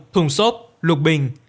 thùng xốp lục bình